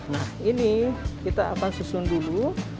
nah ini kita akan susun dulu